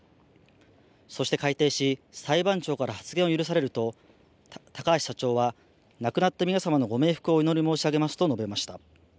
そして開廷し裁判長から発言を許されると、高橋社長は亡くなった皆様のご冥福をお祈り申し上げますと述べました。